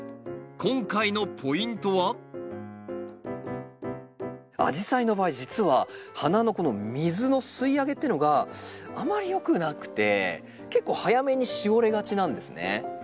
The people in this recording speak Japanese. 今回のポイントはアジサイの場合実は花のこの水の吸い上げってのがあまりよくなくて結構早めにしおれがちなんですね。